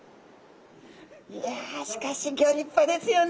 いやしかしギョ立派ですよね。